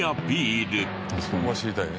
そこは知りたいね。